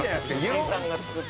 吉井さんが作った。